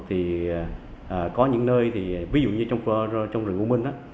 thì có những nơi ví dụ như trong rừng u minh